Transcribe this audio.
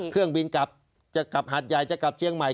เครื่องบินกลับจะกลับหาดใหญ่จะกลับเชียงใหม่